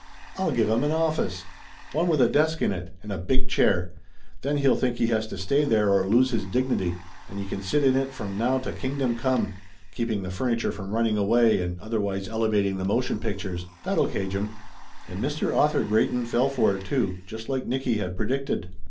"I'll give him an office ! One with a desk in it and a big chair. Then he'll think he has to stay there or lose his dignity, and he can sit in it from now to Kingdom Come, keeping the furniture from running away, and otherwise elevating the mo tion pictures. That'll cage him !" And Mr. Author Grey ton fell for it, too, just like Nicky had predicted.